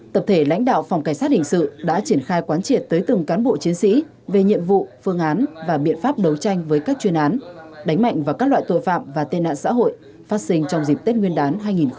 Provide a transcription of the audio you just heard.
tập thể lãnh đạo phòng cảnh sát hình sự đã triển khai quán triệt tới từng cán bộ chiến sĩ về nhiệm vụ phương án và biện pháp đấu tranh với các chuyên án đánh mạnh vào các loại tội phạm và tên nạn xã hội phát sinh trong dịp tết nguyên đán hai nghìn hai mươi bốn